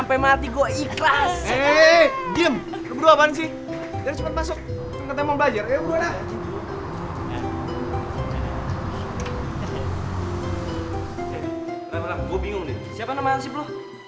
eh eh eh eh gue bingung deh siapa nama hansip lo